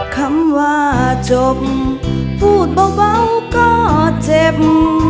คำว่าจบพูดเบาก็เจ็บ